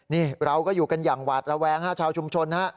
นี่เราก็อยู่กันอย่างหวาดระแวงฮะชาวชุมชนฮะ